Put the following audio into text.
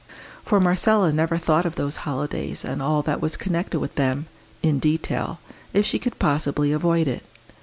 For Marcella never thought of those holidays and all that was connected with them in detail, if she could possibly avoid it.